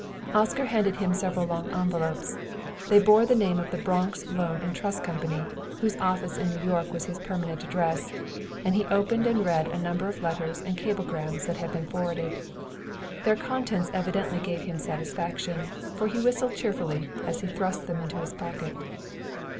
Oscar handed him several long envelopes they bore the name of the Bronx Loan and Trust Company, whose office in New York was his permanent address, and he opened and read a number of letters and cablegrams that had been forwarded. Their contents evidently gave him satisfaction, for he whistled cheerfully as he thrust them into his pocket.